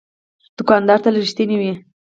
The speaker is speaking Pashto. دوکاندار تل رښتینی وي.